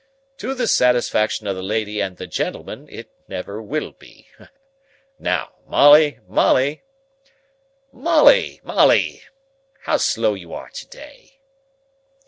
To the satisfaction of the lady and the gentleman, it never will be. Now, Molly, Molly, Molly, Molly, how slow you are to day!"